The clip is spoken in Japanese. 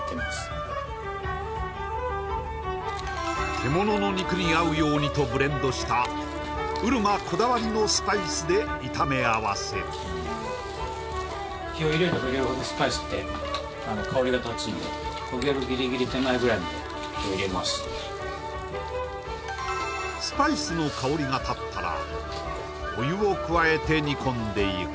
獣の肉に合うようにとブレンドしたうるまこだわりのスパイスで炒め合わせるスパイスの香りが立ったらお湯を加えて煮込んでいく